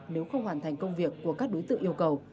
nếu không hoàn thành công việc của các đối tượng yêu cầu